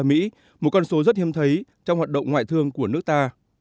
một con số rất hiếm thấy trong hoạt động ngoại thương của nước ta